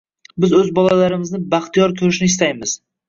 Biz o‘z bolalarimizni baxtiyor ko‘rishni istaymiz.